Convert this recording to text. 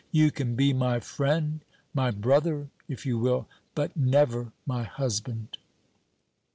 "You can be my friend, my brother, if you will, but never my husband."